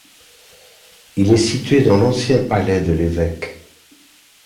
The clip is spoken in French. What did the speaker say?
Il est situé dans l'ancien Palais de l'Évêque.